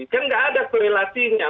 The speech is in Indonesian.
kan nggak ada korelatinya